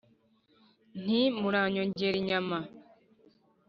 Nti: “Muranyongere inyama